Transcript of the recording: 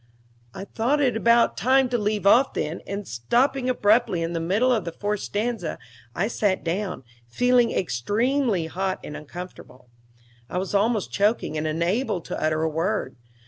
I thought it about time to leave off then, and stopping abruptly in the middle of the fourth stanza I sat down, feeling extremely hot and uncomfortable. I was almost choking, and unable to utter a word.